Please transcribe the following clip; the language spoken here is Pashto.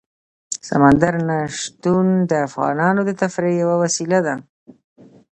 سمندر نه شتون د افغانانو د تفریح یوه وسیله ده.